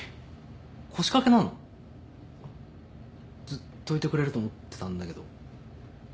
ずっといてくれると思ってたんだけど。